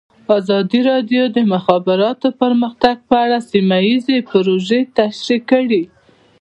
ازادي راډیو د د مخابراتو پرمختګ په اړه سیمه ییزې پروژې تشریح کړې.